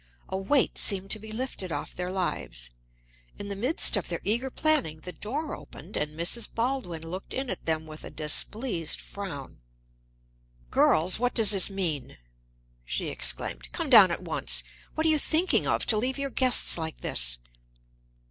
A weight seemed to be lifted off their lives. In the midst of their eager planning the door opened and Mrs. Baldwin looked in at them with a displeased frown. "Girls, what does this mean?" she exclaimed. "Come down at once. What are you thinking of, to leave your guests like this!"